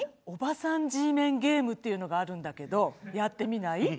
おばさんＧメンゲームっていうのがあるんだけどやってみない？